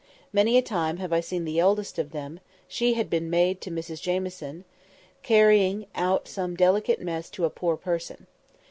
Many a time have I seen the eldest of them (she that had been maid to Mrs Jamieson) carrying out some delicate mess to a poor person.